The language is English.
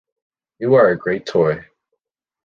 You are a great toy!